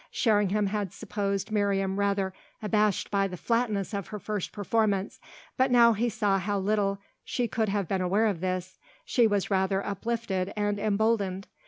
Sherringham had supposed Miriam rather abashed by the flatness of her first performance, but he now saw how little she could have been aware of this: she was rather uplifted and emboldened.